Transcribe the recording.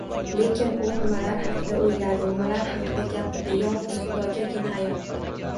Lekin u nimalar haqida oʻyladi, nimalar haqida gapirdi – yolgʻiz Xudogagina ayon!..